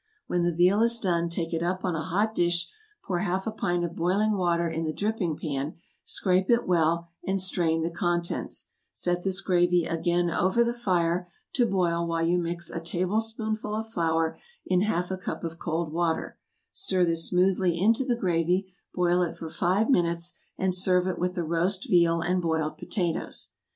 When the veal is done take it up on a hot dish, pour half a pint of boiling water in the dripping pan, scrape it well, and strain the contents; set this gravy again over the fire to boil while you mix a tablespoonful of flour, in half a cup of cold water; stir this smoothly into the gravy, boil it for five minutes, and serve it with the roast veal and boiled potatoes.